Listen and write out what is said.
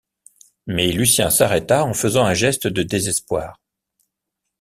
Mais Lucien s’arrêta en faisant un geste de désespoir.